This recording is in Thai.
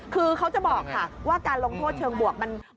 คือเขาจะบอกค่ะว่าการลงโทษเชิงบวกมันไม่ใช่หรอก